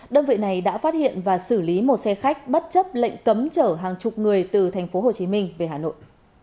đơn vị này đã phát hiện và xử lý một xe khách bất chấp lệnh cấm chở hàng chục người từ tp hcm về hà nội